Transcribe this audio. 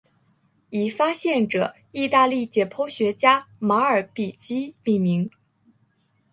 以发现者意大利解剖学家马尔比基命名。